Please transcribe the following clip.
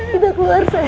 tidak keluar sayang